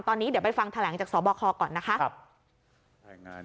ตอนนี้เดี๋ยวไปฟังแถลงจากสบคก่อนนะคะ